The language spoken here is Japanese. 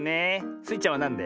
スイちゃんはなんで？